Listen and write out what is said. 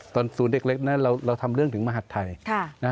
ตอนศูนย์เด็กเล็กนั้นเราทำเรื่องถึงมหัฒน์ไทย